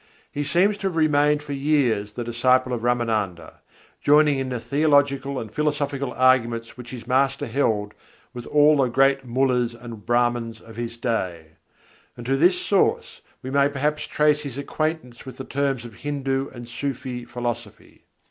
He seems to have remained for years the disciple of Râmânanda, joining in the theological and philosophical arguments which his master held with all the great Mullahs and Brâhmans of his day; and to this source we may perhaps trace his acquaintance with the terms of Hindu and Sûfî philosophy.